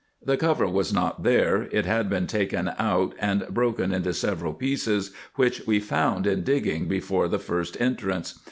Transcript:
The cover was not there : it had been taken out, and broken into several pieces, which we found in digging before the first entrance.